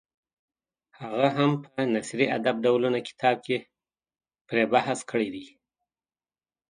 هغه هم په نثري ادب ډولونه کتاب کې پرې بحث کړی دی.